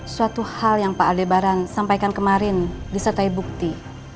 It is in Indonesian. suatu hal yang pak adebaran sampaikan kemarin disertai bukti